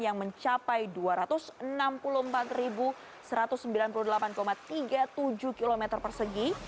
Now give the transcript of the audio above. yang mencapai dua ratus enam puluh empat satu ratus sembilan puluh delapan tiga puluh tujuh km persegi